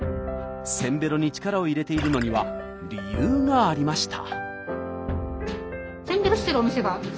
せんべろに力を入れているのには理由がありました。